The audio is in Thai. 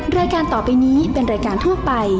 รายการต่อไปนี้เป็นรายการทั่วไป